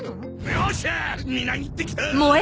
よっしゃあみなぎってきた！